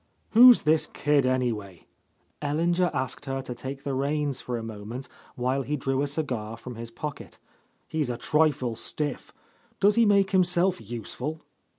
"Who's this kid, anyway?" Ellinger asked her to take the reins for a moment while he drew a cigar from his pocket. "He's a trifle stiff. Does he make himself useful?"